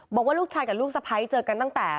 บอกว่าลูกชายกับลูกสะพ้ายเจอกันตั้งแต่